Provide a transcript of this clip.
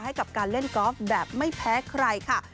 ให้กับการเล่นกอล์ฟแบบไม่แพ้ใครค่ะ